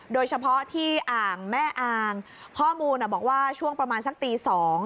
โดยเฉพาะที่อ่างแม่อางข้อมูลบอกว่าช่วงประมาณสักตี๒